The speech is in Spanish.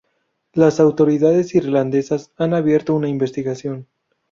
Las autoridades irlandesas han abierto una investigación.